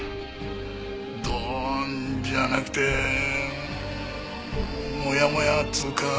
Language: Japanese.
ドーンじゃなくてモヤモヤっつうか。